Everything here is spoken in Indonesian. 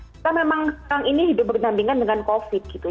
kita memang sekarang ini hidup berdampingan dengan covid gitu